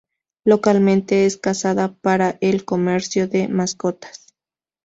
Localmente es cazada para el comercio de mascotas.